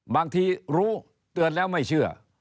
บางทีรู้เตือนแล้วไม่เชื่อ